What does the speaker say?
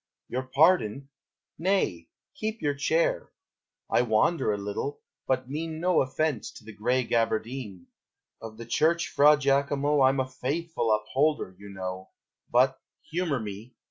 Your pardon! nay, keep your chair! I wander a little, but mean No offence to the gray gaberdine; Of the church, Fra Giacomo, I'm a faithful upholder, you know, But (humor me!)